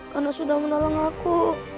karena sudah menolong baru aku